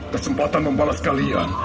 kesempatan membalas kalian